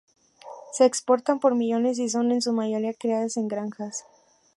Se exportan por millones, y son en su mayoría criadas en granjas.